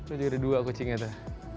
itu ada dua kucingnya tuh